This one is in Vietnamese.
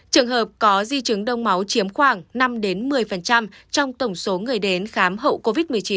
trường hợp có di chứng đông máu chiếm khoảng năm một mươi trong tổng số người đến khám hậu covid một mươi chín